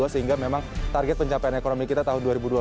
sehingga memang target pencapaian ekonomi kita tahun dua ribu dua puluh